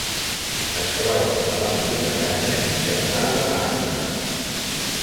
Es troba a la Mediterrània i al Mar de Màrmara.